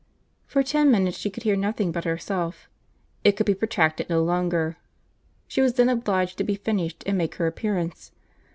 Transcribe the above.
For ten minutes she could hear nothing but herself. It could be protracted no longer. She was then obliged to be finished, and make her appearance.